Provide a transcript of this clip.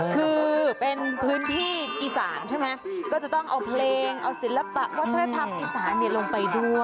คือเป็นพื้นที่อีสานใช่ไหมก็จะต้องเอาเพลงเอาศิลปะวัฒนธรรมอีสานลงไปด้วย